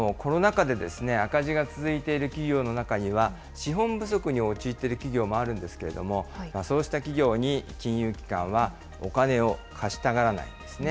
コロナ禍で赤字が続いている企業の中には、資本不足に陥っている企業もあるんですけれども、そうした企業に金融機関はお金を貸したがらないんですね。